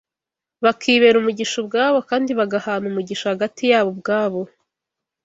bakibera umugisha ubwabo kandi bagahana umugisha hagati yabo ubwabo